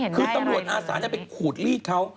คือตำรวจอาสาไปขูดลีดเขา